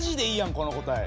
この答え。